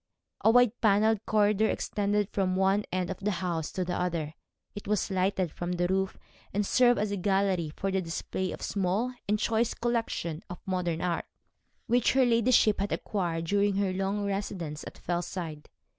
A wide panelled corridor extended from one end of the house to the other. It was lighted from the roof, and served as a gallery for the display of a small and choice collection of modern art, which her ladyship had acquired during her long residence at Fellside.